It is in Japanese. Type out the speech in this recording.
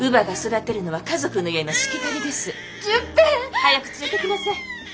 早く連れていきなさい！